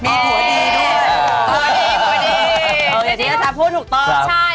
มีผัวดีด้วย